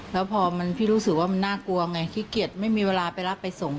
แล้วพอพี่รู้สึกว่ามันน่ากลัวไงขี้เกียจไม่มีเวลาไปรับไปส่ง